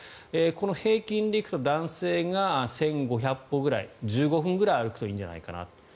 この平均でいくと男性が１５００歩ぐらい１５分ぐらい歩くといいんじゃないかな。